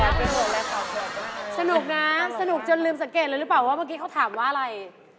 สนุกนะสนุกจนลืมสังเกตเลยหรือเปล่าว่าเมื่อกี้เขาถามว่าอะไร